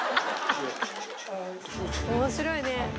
面白いね。